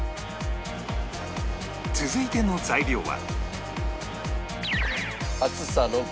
続いての材料は